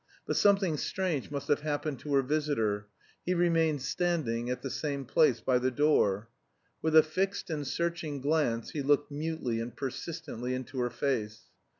But something strange must have happened to her visitor: he remained standing at the same place by the door. With a fixed and searching glance he looked mutely and persistently into her face.